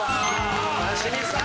清水さん！